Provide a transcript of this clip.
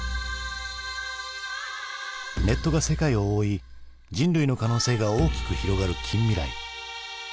ネットが世界を覆い人類の可能性が大きく広がる近未来。